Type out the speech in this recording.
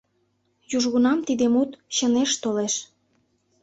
Южгунам тиде мут чынеш толеш.